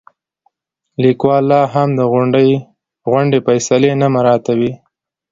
لیکوال لاهم د غونډې فیصلې نه مراعاتوي.